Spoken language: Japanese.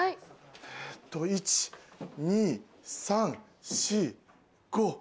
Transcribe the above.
えっと１・２・３・４５。